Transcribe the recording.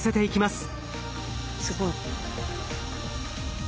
すごい。